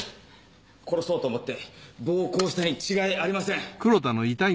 殺そうと思って暴行したに違いありません。